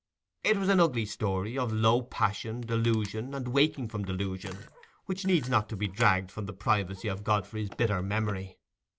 It was an ugly story of low passion, delusion, and waking from delusion, which needs not to be dragged from the privacy of Godfrey's bitter memory.